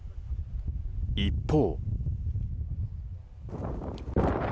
一方。